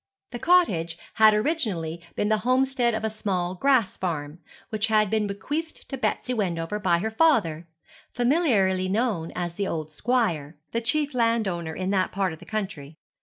The cottage had originally been the homestead of a small grass farm, which had been bequeathed to Betsy Wendover by her father, familiarly known as the Old Squire, the chief landowner in that part of the country.